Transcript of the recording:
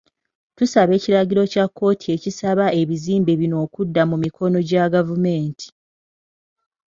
Tusaba ekiragiro kya kkooti ekisaba ebizimbe bino okudda mu mikono gya gavumenti.